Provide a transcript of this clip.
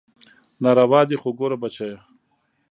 ناروا دي خو ګوره بچى.